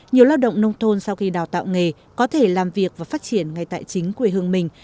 nhiều lao động nông thôn sau khi đào tạo nghề có thể làm việc và phát triển ngay tại chính quê hương mình